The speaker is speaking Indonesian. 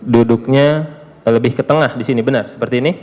duduknya lebih ke tengah disini benar seperti ini